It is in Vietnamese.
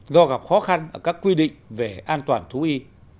do gặp khó khăn ở các quy định về an toàn thú y